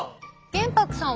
玄白さん